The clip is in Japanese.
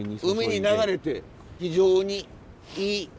海に流れて非常にいい。